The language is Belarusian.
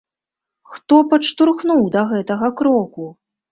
Хто падштурхнуў да гэтага кроку?